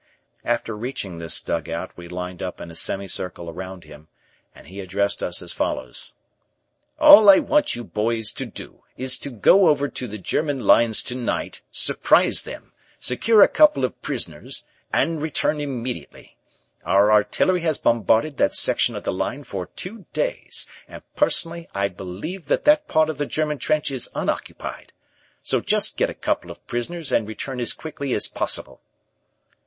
After reaching this dugout we lined up in a semicircle around him, and he addressed us as follows: "All I want you boys to do is to go over to the German lines to night, surprise them, secure a couple of prisoners, and return immediately. Our artillery has bombarded that section of the line for two days and personally I believe that that part of the German trench is unoccupied, so just get a couple of prisoners and return as quickly as possible."